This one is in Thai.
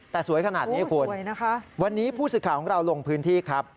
แต่สวยขนาดนี้คุณวันนี้ผู้สื่อข่าวของเราลงพื้นที่ครับ